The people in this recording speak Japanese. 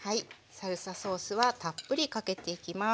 サルサソースはたっぷりかけていきます。